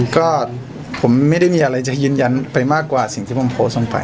ก็ผมไม่ได้มีอะไรจะยืนยันไปมากกว่าสิ่งที่ผมโพสต์ลงไป